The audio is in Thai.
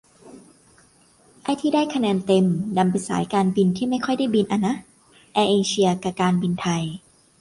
ไอ้ที่ได้คะแนนเต็ม ดันเป็นสายการบินที่ไม่ค่อยได้บินอะนะ แอร์เอเชีย กะ การบินไทย